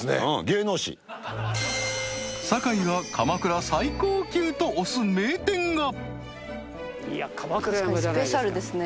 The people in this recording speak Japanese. ［堺が鎌倉最高級と推す名店が］